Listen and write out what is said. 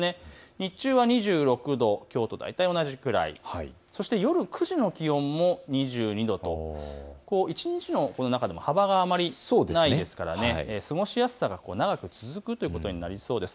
日中は２６度、きょうと大体、同じぐらい、そして夜９時の気温も２２度と、一日の中でも幅があまりないですからね、過ごしやすさが長く続くということになりそうです。